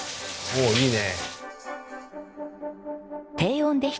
おっいいね。